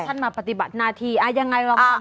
ว่าท่านมาปฏิบัติหน้าทีอย่างไรลองคุ้มเจ็บท่านหน่อย